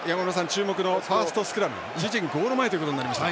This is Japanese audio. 注目のファーストスクラム自陣ゴール前ということになりました。